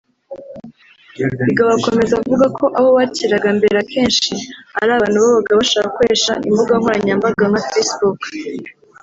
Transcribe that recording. Bigabo akomeza avuga ko abo bakiraga mbere akenshi ari abantu babaga bashaka gukoresha imbuga nkoranyambaga nka Facebook